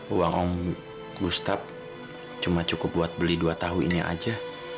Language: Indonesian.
uang om gustaf cuma cukup buat beli dua tauhinya aja